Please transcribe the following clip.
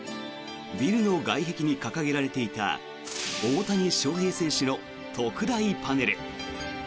ビルの外壁に掲げられていた大谷翔平選手の特大パネル。